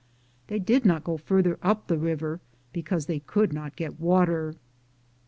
They did not go farther up the river, because they could not get water.